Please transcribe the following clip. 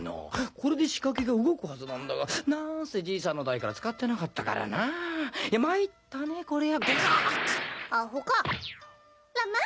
これで仕掛けが動くはずなんだがなーんせ爺さんの代から使ってなかったからなあいやまいったねこりゃぐはぁ！